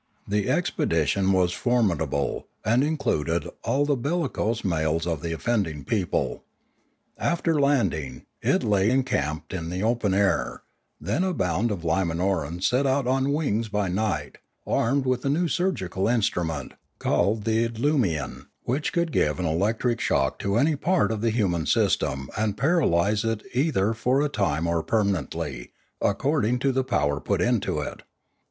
The expedition was 502 Limanora formidable, and included all the bellicose males of the offending people. After landing, it lay encamped in the open air; then a band of Limanorans set out on wings by night, armed with a new surgical instrument, called the idlumian, which could give an electric shock to any part of the human system and paralyse it either for a time or permanently, according to the power put into it.